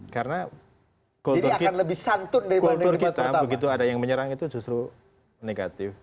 karena kultur kita begitu ada yang menyerang itu justru negatif